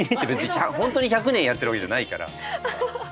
ホントに１００年やってるわけじゃないから。